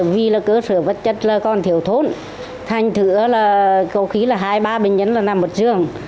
vì cơ sở vất chất còn thiếu thốt thành thử cầu khí là hai ba bệnh nhân nằm một giường